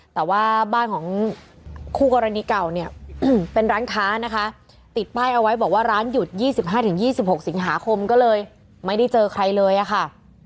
แต่ว่าบ้านของคู่กรณีเก่าเนี่ยเป็นร้านค้านะคะติดป้ายเอาไว้บอกว่าร้านหยุด๒๕๒๖สิงหาคมก็เลยไม่ได้เจอใครเลยอะค่ะ